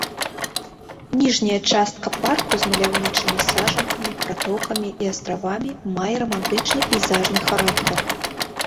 Ніжняя частка парку з маляўнічымі сажалкамі, пратокамі і астравамі мае рамантычны пейзажны характар.